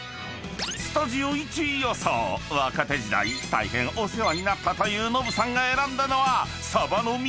［スタジオ１位予想若手時代大変お世話になったというノブさんが選んだのはサバの味噌煮定食］